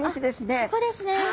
あっここですね。